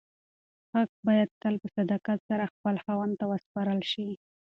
حق باید تل په صداقت سره خپل خاوند ته وسپارل شي.